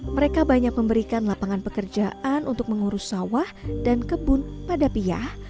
mereka banyak memberikan lapangan pekerjaan untuk mengurus sawah dan kebun pada piah